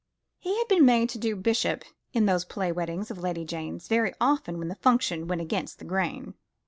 He had been made to do bishop in those play weddings of Lady Jane's, very often when the function went against the grain.